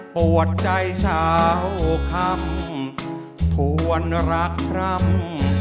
ปวดใจสาวคำทวนรักรำ